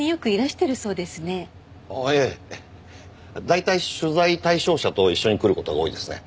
大体取材対象者と一緒に来る事が多いですね。